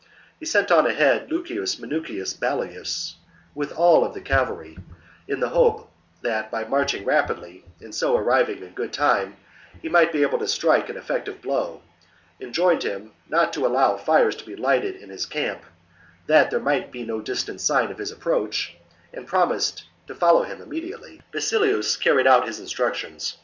He sent on ahead Lucius Minucius' Basilus with all the cavalry, in the hope that by marching rapidly and so arriving in good time he might be able to strike an effective blow ; enjoined him not to allow fires to be lighted in his camp, that there might be no distant sign of his approach ; and promised to follow him immediately. 30. Basilus carried out his instructions.